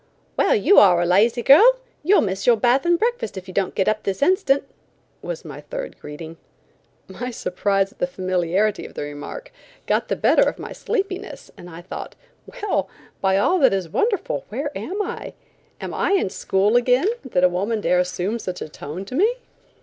"Well, you are a lazy girl! You'll miss your bath and breakfast if you don't get up the instant," was my third greeting. My surprise at the familiarity of the remark got the better of my sleepiness, and I thought: "Well, by all that is wonderful, where am I? Am I in school again that a woman dare assume such a tone to me?"